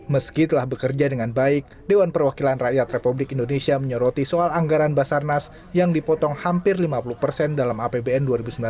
meski telah bekerja dengan baik dewan perwakilan rakyat republik indonesia menyoroti soal anggaran basarnas yang dipotong hampir lima puluh persen dalam apbn dua ribu sembilan belas